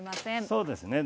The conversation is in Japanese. そうですね